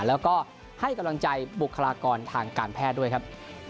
แล้วก็ให้กำลังใจบุคลากรทางการแพทย์ด้วยครับ